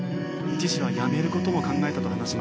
一時は辞める事も考えたと話します。